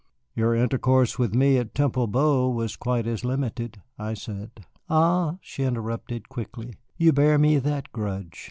"Your intercourse with me at Temple Bow was quite as limited," I said. "Ah," she interrupted quickly, "you bear me that grudge.